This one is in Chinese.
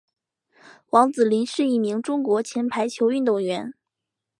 王子凌是一名中国前排球运动员。